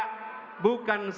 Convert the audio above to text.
tunjukkan bahwa hukum memang tegas